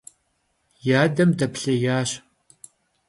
Yadem deplhêyaş.